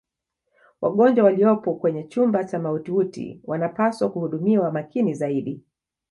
wagonjwa waliyopo kwenye chumba cha mautiuti wanapaswa kuhudumiwa makini zaidi